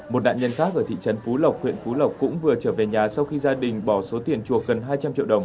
một đạn nhân khác ở thị trấn phú lộc huyện phú lộc cũng vừa trở về nhà sau khi gia đình bỏ số tiền chùa cần lấy